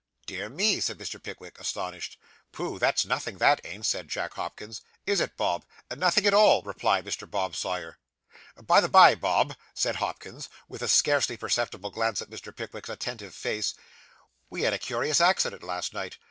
'Dear me!' said Mr. Pickwick, astonished. 'Pooh! That's nothing, that ain't,' said Jack Hopkins. 'Is it, Bob?' 'Nothing at all,' replied Mr. Bob Sawyer. 'By the bye, Bob,' said Hopkins, with a scarcely perceptible glance at Mr. Pickwick's attentive face, 'we had a curious accident last night.